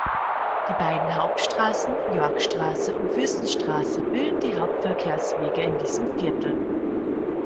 Die beiden Hauptstraßen Yorckstraße und Fürstenstraße bilden die Hauptverkehrswege in diesem Viertel.